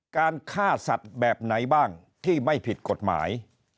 การฆ่าสัตว์แบบไหนบ้างที่ไม่ผิดกฎหมาย